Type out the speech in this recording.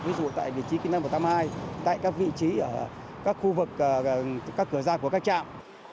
ví dụ tại vị trí kinh tăng một trăm tám mươi hai tại các vị trí ở các khu vực các cửa ra của các trạm